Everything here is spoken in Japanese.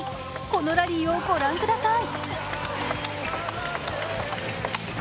このラリーをご覧ください。